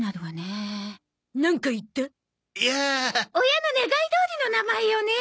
親の願いどおりの名前よね。